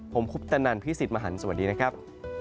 ผมคุปตนันพี่สิทธิ์มหันฯสวัสดีนะครับ